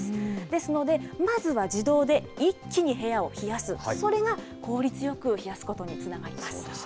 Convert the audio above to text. ですので、まずは自動で一気に部屋を冷やす、それが効率よく冷やすことにつながります。